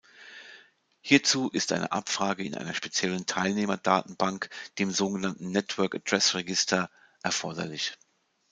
Hierzu ist eine Abfrage in einer speziellen Teilnehmer-Datenbank, dem sogenannten Network Address Register, erforderlich.